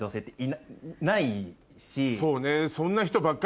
そうね。